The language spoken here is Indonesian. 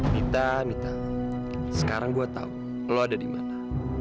mita mita sekarang gue tau lo ada dimana